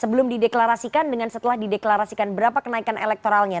sebelum dideklarasikan dengan setelah dideklarasikan berapa kenaikan elektoralnya